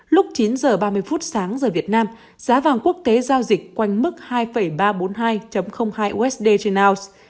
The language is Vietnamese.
lúc chín h ba mươi phút sáng giờ việt nam giá vàng quốc tế giao dịch quanh mức hai ba trăm bốn mươi hai hai usd trên ounce